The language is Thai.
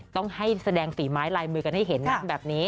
ต้องให้แสดงฝีไม้ลายมือกันให้เห็นนะแบบนี้